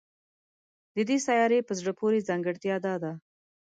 د دې سیارې په زړه پورې ځانګړتیا دا ده